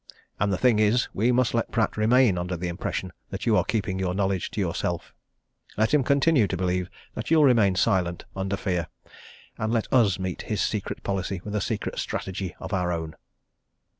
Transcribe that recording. And the thing is we must let Pratt remain under the impression that you are keeping your knowledge to yourself. Let him continue to believe that you'll remain silent under fear. And let us meet his secret policy with a secret strategy of our own!"